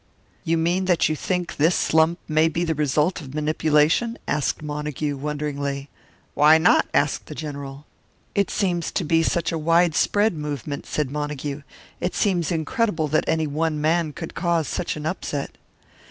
"You mean that you think this slump may be the result of manipulation?" asked Montague, wonderingly. "Why not?" asked the General. "It seems to be such a widespread movement," said Montague. "It seems incredible that any one man could cause such an upset."